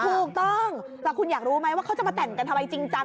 ถูกต้องแต่คุณอยากรู้ไหมว่าเขาจะมาแต่งกันทำไมจริงจัง